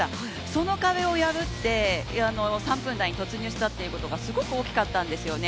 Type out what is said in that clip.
その壁を破って３分台に突入したってことがすごく大きかったんですよね。